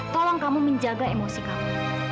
tolong kamu menjaga emosi kamu